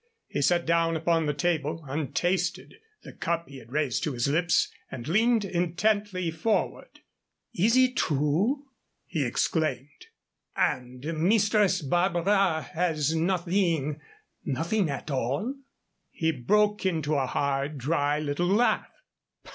He set down upon the table, untasted, the cup he had raised to his lips, and leaned intently forward. "Is it true?" he exclaimed; "and Mistress Barbara has nothing nothing at all?" He broke into a hard, dry little laugh.